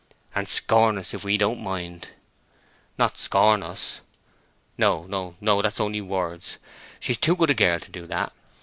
"And scorn us if we don't mind." "Not scorn us." "No, no, no—that's only words. She's too good a girl to do that.